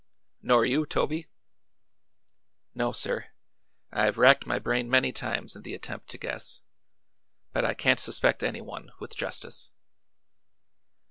"Nor you, Toby?" "No, sir. I've racked my brain many times in the attempt to guess; but I can't suspect anyone, with justice."